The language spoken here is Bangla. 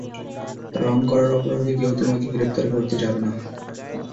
রং করার অপরাধে কেউ তোমাকে গ্রেফতার করতে যাবে না।